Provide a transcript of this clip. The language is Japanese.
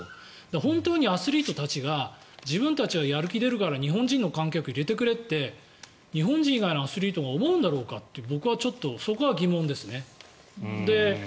本当にアスリートたちが自分たちがやる気出るから日本人の観客を入れてくれって日本人以外のアスリートが思うんだろうかと、僕はちょっとそこは疑問ですね。